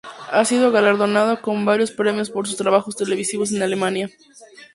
Ha sido galardonado con varios premios por sus trabajos televisivos en Alemania.